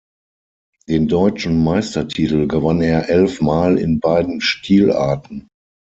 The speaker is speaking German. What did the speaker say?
Den deutschen Meistertitel gewann er elfmal in beiden Stilarten.